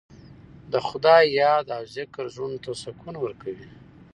د خدای یاد او ذکر زړونو ته سکون ورکوي.